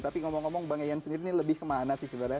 tapi ngomong ngomong bang eyan sendiri ini lebih kemana sih sebenarnya